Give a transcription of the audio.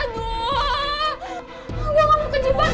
gua gak mau ke jum'at belief